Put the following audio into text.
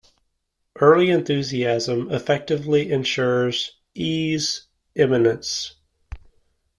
Early enthusiasm effectively ensures E's eminence.